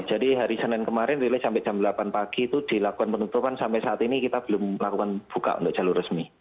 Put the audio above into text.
jadi hari senin kemarin rilis sampai jam delapan pagi itu dilakukan penutupan sampai saat ini kita belum lakukan buka untuk jalur resmi